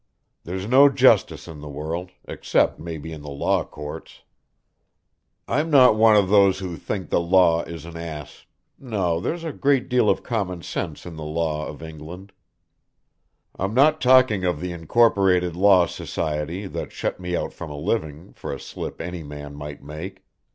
There's no justice in the world, except maybe in the Law Courts. I'm not one of those who think the Law is an ass, no, there's a great deal of common sense in the Law of England. I'm not talking of the Incorporated Law Society that shut me out from a living, for a slip any man might make.